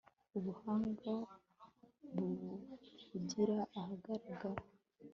ubuhanga buvugira ahagaragara